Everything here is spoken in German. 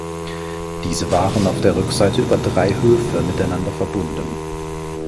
Diese waren auf der Rückseite über drei Höfe miteinander verbunden.